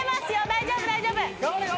大丈夫大丈夫。